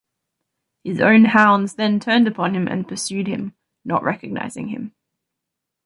His own hounds then turned upon him and pursued him, not recognizing him.